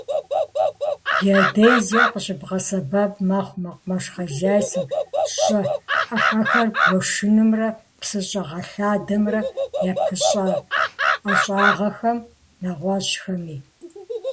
Геодезиер къыщыбгъэсэбэп мэхъу мэкъумэш хозяйствэм, щӀы Ӏыхьэхэр гуэшынымрэ псы щӀэгъэлъадэмрэ япыщӀа ӀэщӀагъэхэм, нэгъуэщӀхэми.